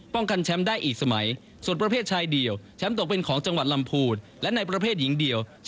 ป้องกันแชมป์ได้อีกสมัย